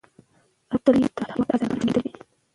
ابداليان تل د هېواد د ازادۍ لپاره جنګېدلي دي.